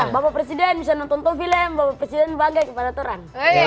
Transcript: bapak presiden bisa nonton film bapak presiden bangga kepada toran